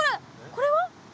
これは？